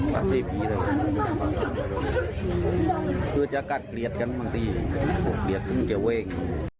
ผมเกลียดครึ่งเกี่ยวเอง